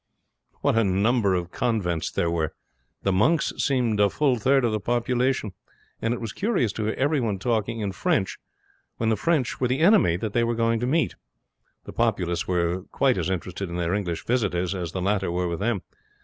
What a number of convents there were! The monks seemed a full third of the population, and it was curious to hear everyone talking in French when the French were the enemy they were going to meet. The populace were quite as interested in their English visitors as the latter were with them.